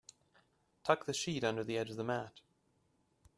Tuck the sheet under the edge of the mat.